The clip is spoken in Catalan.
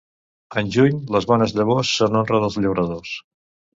En juny, les bones llavors, són honra dels llauradors.